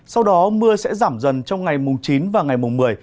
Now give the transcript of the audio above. sau đó mưa sẽ giảm dần trong ngày mùng chín và ngày mùng một mươi